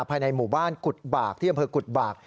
ภายในหมู่บ้านกุฎบากที่อำเภอกุฎบาก